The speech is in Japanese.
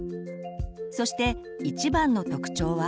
そして一番の特徴は。